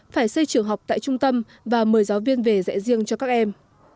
phải xây trường học tại trung tâm và mời giáo viên về dạy riêng cho các em